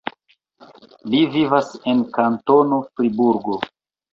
Li vivas en Kantono Friburgo.